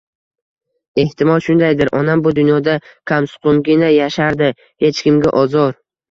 Ehtimol shundaydir. Onam bu dunyoda kamsuqumgina yashardi. Hech kimga ozor